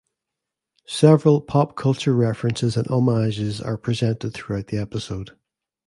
Several pop culture references and homages are presented throughout the episode.